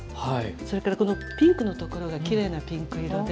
それからこのピンクのところがきれいなピンク色で。